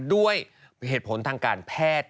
ด้วยเหตุผลทางการแพทย์